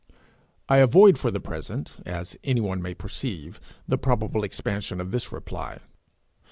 I avoid for the present, as anyone may perceive, the probable expansion of this reply.